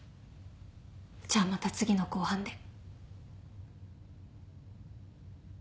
じゃあまた次の公判で。